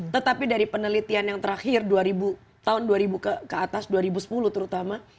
tetapi dari penelitian yang terakhir tahun dua ribu ke atas dua ribu sepuluh terutama